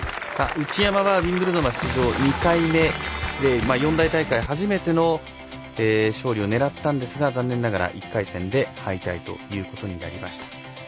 内山は、ウィンブルドン出場２回目で四大大会初めての勝利を狙ったんですが残念ながら１回戦で敗退ということになりました。